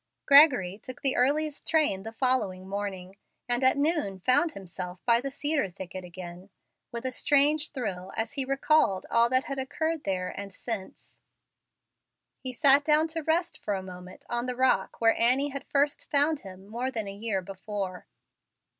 Gregory took the earliest train the following morning, and at noon found himself by the cedar thicket again, with a strange thrill, as he recalled all that had occurred there and since. He sat down to rest for a moment on the rock where Annie had first found him more than a year before.